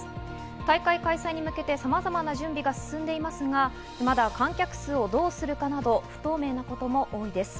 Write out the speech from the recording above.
大会開催に向けてさまざまな準備が進んでいますが、まだ観客数をどうするかなど不透明なところも多いんです。